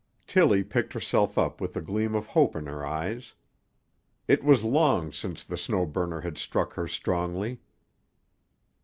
Tillie picked herself up with a gleam of hope in her eyes. It was long since the Snow Burner had struck her strongly.